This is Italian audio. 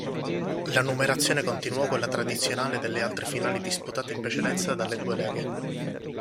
La numerazione continuò quella tradizionale delle altre finali disputate in precedenza dalle due leghe.